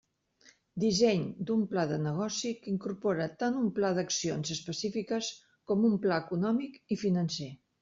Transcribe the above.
Disseny d'un pla de negoci que incorpora tant un pla d'accions específiques com un pla econòmic i financer.